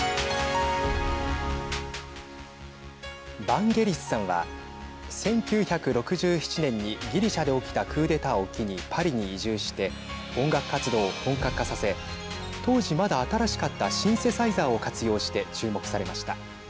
バンゲリスさんは１９６７年にギリシャで起きたクーデターを機にパリに移住して音楽活動を本格化させ当時まだ新しかったシンセサイザーを活用して注目されました。